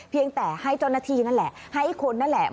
เพียงแต่ให้เจ้าหน้าที่นั่นแหละให้คนนั่นแหละ